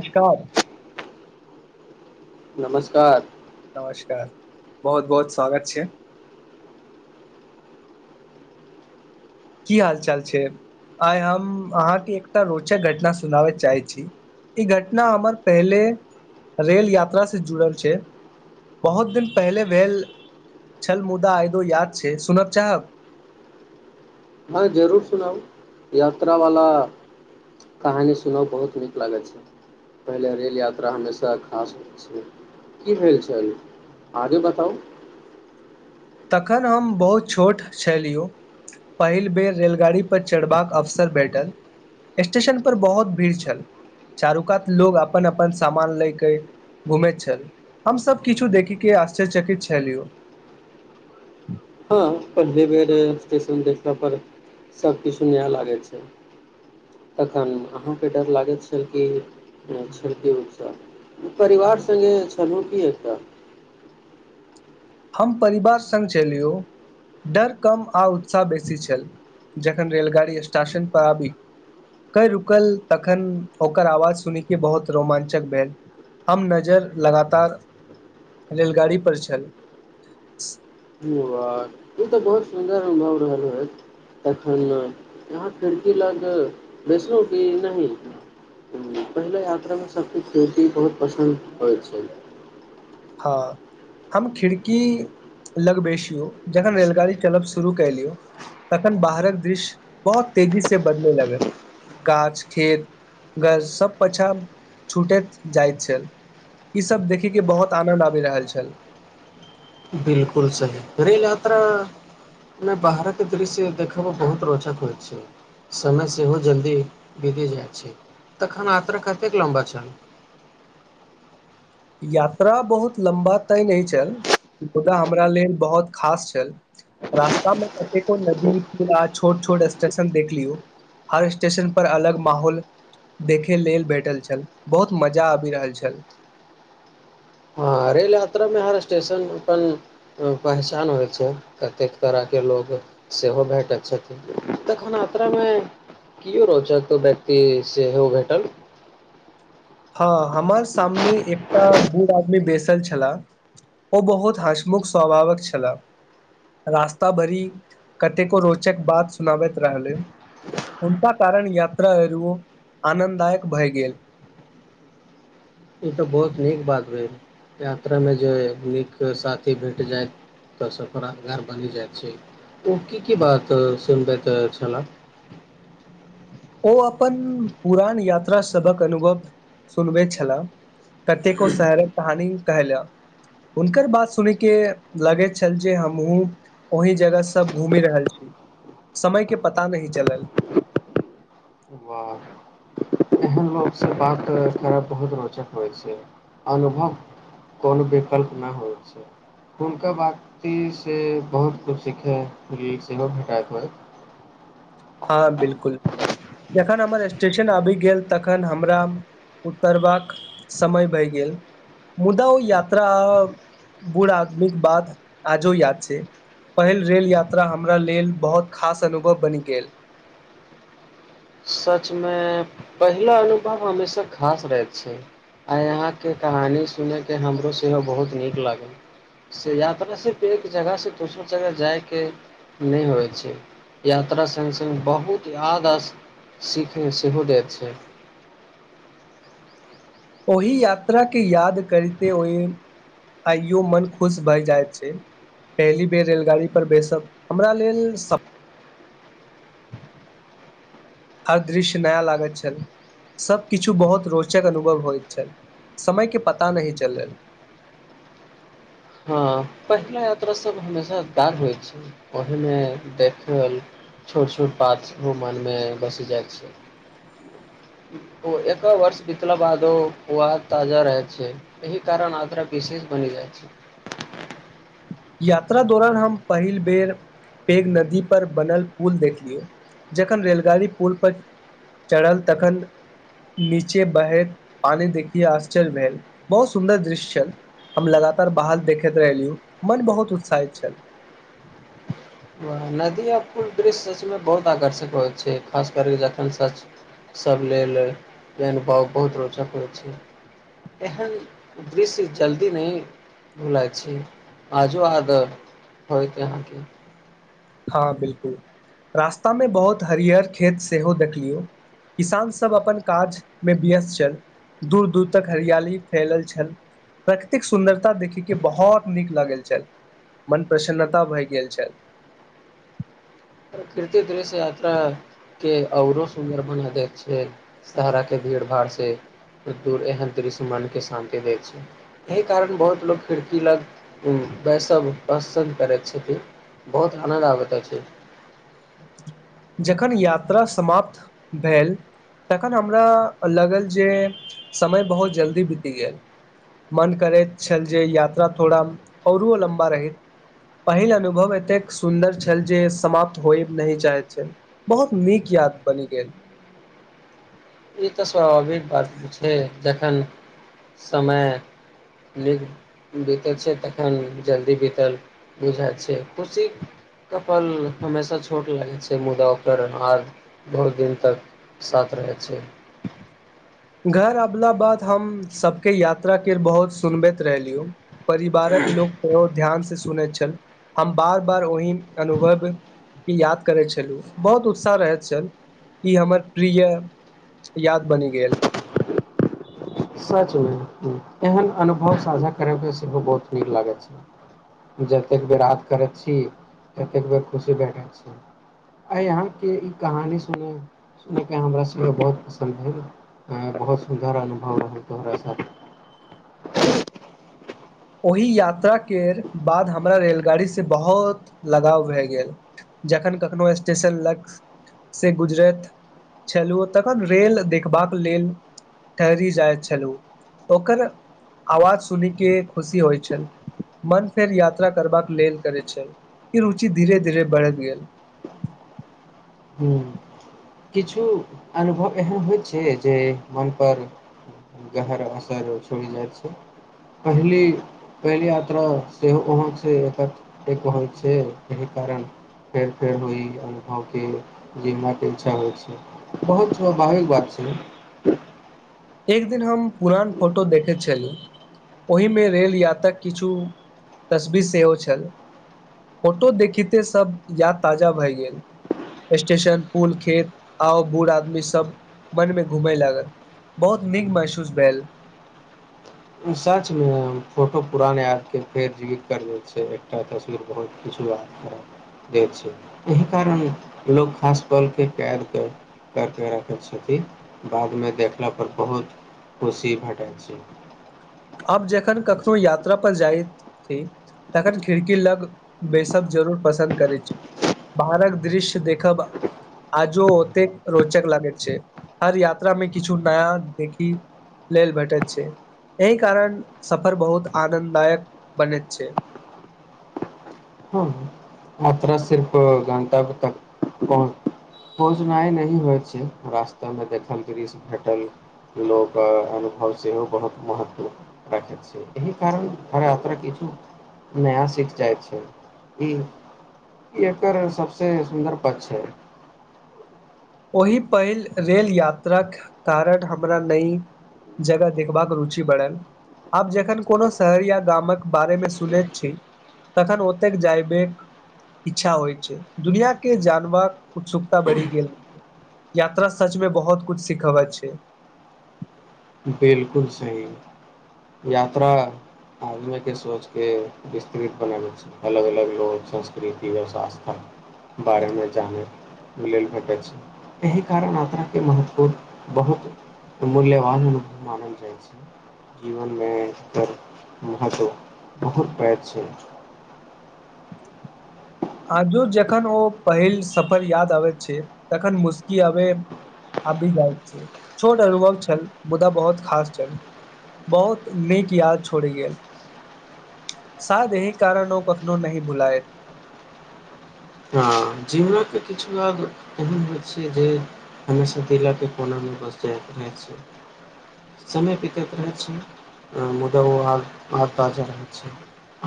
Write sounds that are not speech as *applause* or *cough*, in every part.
नमस्कार नमस्कार नमस्कार बहुत बहुत स्वागत छै की हाल चाल छै आइ हम अहाँके एकटा रोचक घटना सुनाबैत चाहै छी ई घटना हमर पहिले रेल यात्रासँ जुड़ल छै बहुत दिन पहिले भेल छल मुदा आइयो याद छै सुनब चाहब हँ जरूर सुनाउ यात्रा वाला कहानी सुनब बहुत नीक लागैत छै पहिले रेल यात्रा हमेशा खास होइत छै की भेल छल आगे बताउ तखन हम बहुत छोट छलियौ पहिल बेर रेलगाड़ीपर चढ़बाक अवसर भेटल स्टेशनपर बहुत भीड़ छल चारू कात लोक अपन अपन सामान लए कऽ घूमैत छल हमसब किछु देखयके आश्चर्यचकित छलियौ हँ पहिले बेर स्टेशन देखला पर सभकिछु नया लागैत छै तखन अहाँके डर लागैत छल कि छल की परिवार संगे छलहुँ की एतय हम परिवार संग छलियौ डर कम आ उत्साह बेसी छल जखन रेलगाड़ी स्टेशन पर आबी कऽ रुकल तखन ओकर आवाज सुनी कऽ बहुत रोमांचक भेल हम नजर लगातार रेलगाड़ी पर छल स *inaudible* से बात ई तऽ बहुत सुन्दर अनुभव रहल होइत तखन अहाँ खिड़की लग बैसलहुँ कि नहि पहिल यात्रामे सभकेँ खिड़की बहुत पसन्द होइत छै हँ हम खिड़की लगबैसियौ जखन रेलगाड़ी चलब शुरू कलियौ तखन बाहरक दृश्य बहुत तेजीसे बदले लागल गाछ खेत गर सब पाछाँ छूटैत जाइत छल ईसब देखैके बहुत आनन्द आबि रहल छल बिलकुल सही रेल यात्रा मे बाहरक दृश्य देखयमे बहुत रोचक होइत छै समय सेहो जल्दी बीती जाइत छै तखन यात्रा कतेक लम्बा छल यात्रा बहुत लम्बा तय नहि छल मुदा हमरा लेल बहुत खास छल रास्तामे कतेको नदी पुल आ छोट छोट स्टेशन देख लियौ हर स्टेशनपर अलग माहौल देखय लेल भेटल छल बहुत मजा आबि रहल छल ह रेल यात्रामे हर स्टेशन अपन पहचान होइ छै कतेक तरह के लोग सेहो भेटैत छथिन तखन यात्रामे किओ रोचक व्यक्ति सेहो भेटल हँ हमर सामने एकटा बूढ़ आदमी बैसल छलाह ओ बहुत हँसमुख स्वभावक छलाह रास्ता भरि कतेको रोचक बात सुनाबैत रहलै हुनका कारण यात्रा आरो आनन्ददायक भए गेल ई तऽ बहुत नीक बात भेल यात्रामे जे नीक साथी भेट जाय तऽ सफर यादगार बनि जाइत छै ओ की की बात सुनबैत छलाह ओ अपन पुरान यात्रासभक अनुभव सुनबैत छलाह कतेको शहरक कहानी कहला हुनकर बात सुनिके लगैत छल जे हमहुँ ओहि जगह सभ घूमि रहल छी समयके पता नहि चलल लोकसे बात करब बहुत रोचक होइत छै अनुभव कोनो विकल्प नहि होइत छै हुनका व्यक्ति से बहुत कुछ सीखै लेल सेहो भेटाइत होइ हँ बिलकुल जखन हमर स्टेशन आबि गेल तखन हमरा उतरबाक समय भए गेल मुदा ओ यात्रा बूढ़ आदमीके बात आजो याद छै पहिल रेल यात्रा हमरा लेल बहुत खास अनुभव बनि गेल सचमे पहिला अनुभव हमेशा खास रहैत छै आय अहाँके कहानी सुनयके हमरो सेहो बहुत नीक लागल से यात्रा सिर्फ एक जगहसे दोसर जगह जायके नहि होइत छै यात्रा संग संग बहुत याद आ सीख सेहो देत छै ओही यात्राके याद करिते ओहि आइयो मन खुश भए जाइत छै पहिली बेर रेलगाड़ी पर बैसब हमरा लेल आ दृश्य नया लागैत छल सभकिछु बहुत रोचक अनुभव होइत छल समयके पता नहि चलल हँ पहिला यात्रा सब हमेशा यादगार होइत छै ओहिमे देखल छोट छोट बात सेहो मनमे बसि जाइत छै ओ एक वर्ष बितला बादो ओ याद ताजा रहैत छै एहि कारण यात्रा विशेष बनि जाइत छै यात्रा दौरान हम पहिल बेर पैघ नदी पर बनल पुल देखलियौ जखन रेलगाड़ी पुल पर चढ़ल तखन नीचे बहैत पानी देखी आश्चर्य भेल बहुत सुन्दर दृश्य छल हम लगातार बाहर देखैत रहलियो मन बहुत उत्साहित छल नदी आ पुल दृश्य सचमे बहुत आकर्षक होइत छै खास कर कऽ जखन सच सभ लेल ई अनुभव बहुत रोचक होइत छै एहन दृश्य जल्दी नहि भुलाइत छै आजो आद होइत अहाँके हँ बिल्कुल रास्तामे बहुत हरियर खेत सेहो देखलियौ किसानसभ अपन काजमे व्यस्त छल दूर दूर तक हरियाली फैलल छल प्रकृतिक सुन्दरता देखिके बहुत नीक लागल छल मन प्रसन्नता भए गेल छल प्रकृति दृश्य यात्राके आओरो सुन्दर बना दैत छै शहराके भीड़ भाड़सँ दूर एहन दृश्य मनके शान्ति दैत छै एहि कारण बहुत लोक खिड़की लग वैसव पसन्द करैत छथिन बहुत आनन्द आबैत अछि जखन यात्रा समाप्त भेल तखन हमरा लागल जे समय बहुत जल्दी बीति गेल मन करैत छल जे यात्रा थोड़ा औरो लम्बा रहैत पहिल अनुभव एतेक सुन्दर छल जे समाप्त होय नहि जायत छै बहुत नीक याद बनि गेल ई तऽ स्वाभाविक बात छै जखन समय नीक बीतै छै तखन जल्दी बीतल बुझाइत छै खुशी के पल हमेशा छोट लागे छै मुदा ओकर याद बहुत दिन तक साथ रहैत छै घर अबला बाद हम सबके यात्रा केर बहुत सुनबैत रहलीयै परिवारक लोक तऽ ध्यानसँ सुनैत छल हम बार बार ओहि अनुभव केँ याद करैत छलहुँ बहुत उत्साह रहैत छल ई हमर प्रिय याद बनि गेल सच मे एहन अनुभव साझा करय के सेहो बहुत नीक लागैत छै जतेक बेर याद करैत छी ततेक बेर खुशी भेटैत छी आय अहाँके ई कहानी सुनब सुनि केँ हमरा सेहो बहुत पसन्द भेल बहुत सुन्दर अनुभव रहल दर स *unintelligible* ओहि यात्राकेर बाद हमरा रेलगाड़ीसँ बहुत लगाव भए गेल जखन कखनहु स्टेशन लगसँ गुजरैत छलहुँ तखन रेल देखबाक लेल ठहरी जाइत छलहुँ ओकर आवाज सुनिकेँ खुशी होइत छल मन फेर यात्रा करबाक लेल करैत छल ई रुचि धीरे धीरे बढ़ैत गेल हूँ किछु अनुभव एहन होइत छै जे मनपर गहरा असर छोड़ि जाइत छै पहिलि पहिल यात्रा सेहो वहाँसँ एकत्र होइत छै एहि कारण फेर फेर ओहि अनुभवकेँ लेल अच्छा होइ छै बहुत स्वाभाविक बात छै एक दिन हम पुरान फोटो देखैत छलहुँ ओहिमे रेल यात्राक किछु तस्वीर सेहो छल फोटो देखिते सभ याद ताजा भए गेल स्टेशन पुल खेत आओ बूढ़ आदमीसभ मनमे घुमय लागल बहुत नीक महसूस भेल सचमे फोटो पुरान यादके फेर जीवित करबैत छै एकटा तस्वीर बहुत किछु याद करा दैत छै एहि कारण लोक खास पलके कैद करऽ कर कऽ रखै छथिन बादमे देखलापर बहुत खुशी भेटैत छै आब जखन कखनो यात्रा पर जाइत छी तखन खिड़की लग बैसब जरूर पसन्द करैत छी बाहरक दृश्य देखब आजो ओतेक रोचक लागैत छै हर यात्रा मे किछु नया देखि लेल भेटैत छै एहि कारण सफर बहुत आनन्ददायक बनैत छै हँ यात्रा सिर्फ गन्तव्य तक पहुच पहुँचनाइ नहि होइत छै रास्तामे देखल दृश्य भेटल लोक अनुभव सेहो बहुत महत्व रखैत छै एहि कारण हर यात्रा किछु नया सीख जाइत छै ई ई एकर सभसँ सुन्दर पक्ष छै ओहि पहिल रेल यात्राक कारण हमरा नई जगह देखबाक रुचि बढ़ल आब जखन कोनो शहर या गामक बारेमे सुनैत छी तखन ओतेक जायबाके इच्छा होइत छै दुनियांके जानबाक उत्सुकता बढ़ि गेल यात्रा सचमें बहुत कुछ सिखबैत छै बिलकुल सही यात्रा आदमीके सोचके विस्तृत बनाबैत छै अलग अलग लोक संस्कृति आओर संस्था बारेमे जानै लेल भेटै छै एहि कारण यात्राके महत्व बहुत मूल्यवान मानल जाइ छै जीवनमे एकर महत्व बहुत पैघ छै आजो जखन ओ पहिल सफर याद आबैत छै तखन मुस्की आबैय आबि जाइत छै छोट अनुभव छल मुदा बहुत खास छल बहुत नीक याद छोड़ि गेल शायद एहि कारण ओ कखनो नहि भुलाइत हँ जीवनक किछु याद एहन होइत छै जे हमेशा दिलके कोनामे बस जाइत रहैत छै समय बितैत रहैत छै मुदा ओ आद ताजा रहैत छै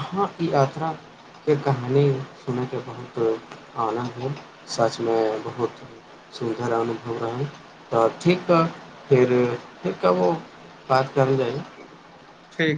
अहाँक ई यात्राके कहानी सुनैके बहुत आनन्द भेल सचमे बहुत सुन्दर अनुभव रहै तऽ ठीक तऽ फिर फिर कबो बात करल जाइ ठीक